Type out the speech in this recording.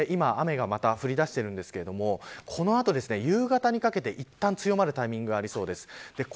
秋田周辺で今、雨がまた降り出しているんですけれどもこの後、夕方にかけて、いったん強まるタイミングがありそうです。